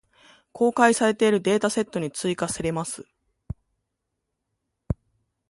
公開されているデータセットに追加せれます。